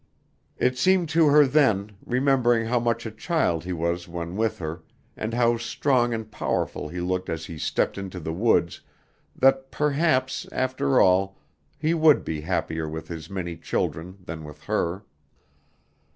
It seemed to her then, remembering how much a child he was when with her and how strong and powerful he looked as he stepped into the woods, that perhaps, after all, he would be happier with his many children than with her.